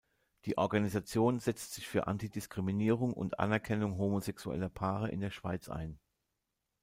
Die Organisation setzt sich für Antidiskriminierung und Anerkennung homosexueller Paare in der Schweiz ein.